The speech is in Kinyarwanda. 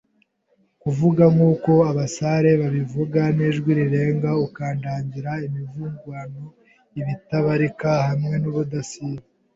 kuvuga, nkuko abasare babivuga, n'ijwi rirenga, ukandagira imivurungano itabarika hamwe ubudasiba